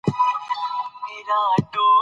ازادي راډیو د کرهنه ته پام اړولی.